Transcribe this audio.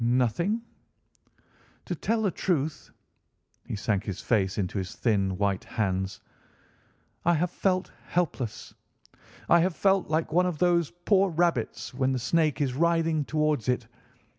"Nothing?" "To tell the truth"—he sank his face into his thin, white hands—"I have felt helpless. I have felt like one of those poor rabbits when the snake is writhing towards it.